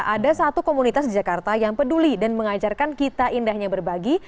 ada satu komunitas di jakarta yang peduli dan mengajarkan kita indahnya berbagi